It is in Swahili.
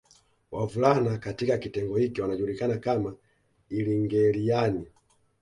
Wavulana katika kitengo hiki wanajulikana kama Ilngeeliani